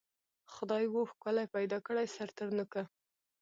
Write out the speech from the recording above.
خدای وو ښکلی پیدا کړی سر تر نوکه